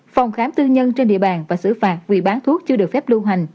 phòng khám tư nhân trên địa bàn và xử phạt vì bán thuốc chưa được phép lưu hành